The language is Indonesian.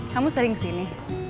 kamu sering kesini